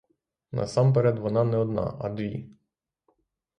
Насамперед вона не одна, а дві.